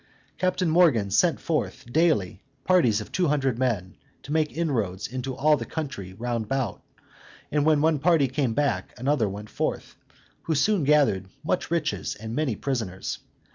Captain Morgan sent forth, daily, parties of two hundred men, to make inroads into all the country round about; and when one party came back, another went forth, who soon gathered much riches, and many prisoners.